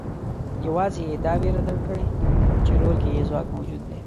یوازې یې دا وېره درک کړې چې رول کې ځواک موجود دی.